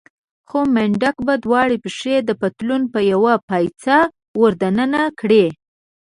خو منډک به دواړه پښې د پتلون په يوه پایڅه ور دننه کړې.